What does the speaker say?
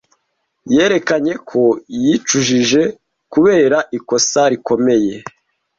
Yerekanye ko yicujije kubera ikosa rikomeye.